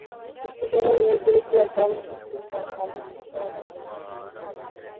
চিত্রকর্মের মূল চরিত্র এক গ্রামীণ কিশোরী; তার কাঁধে একটি ভেড়া-তাড়ানো ছড়ি।